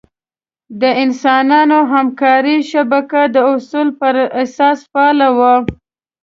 د انسانانو همکارۍ شبکه د اصولو پر اساس فعاله وه.